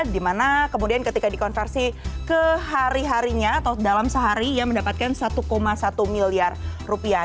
dimana kemudian ketika dikonversi ke hari harinya atau dalam sehari ia mendapatkan satu satu miliar rupiah